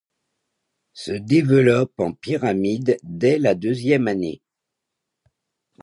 Se développe en pyramide dès la deuxième année.